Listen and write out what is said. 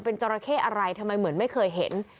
เป็นจราเข้อะไรทำไมเหมือนไม่เคยเห็น